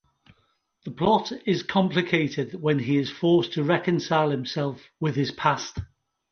The plot is complicated when he is forced to reconcile himself with his past.